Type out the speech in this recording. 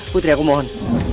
putri aku mohon